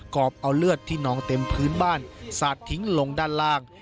อบเอาเลือดที่นองเต็มพื้นบ้านสาดทิ้งลงด้านล่าง